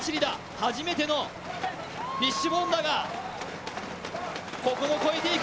初めてのフィッシュボーンだがここも越えていく。